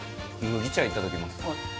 麦茶いただけます？